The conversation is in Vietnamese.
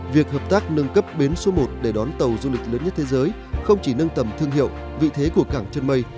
việc hợp tác nâng cấp bến số một để đón tàu du lịch lớn nhất thế giới không chỉ nâng tầm thương hiệu vị thế của cảng chân mây